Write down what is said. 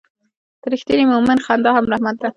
د رښتیني مؤمن خندا هم رحمت ده.